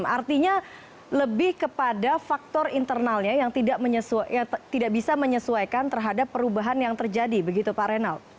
artinya lebih kepada faktor internalnya yang tidak bisa menyesuaikan terhadap perubahan yang terjadi begitu pak reynald